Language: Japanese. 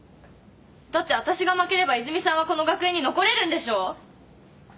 だってわたしが負ければ泉さんはこの学園に残れるんでしょ？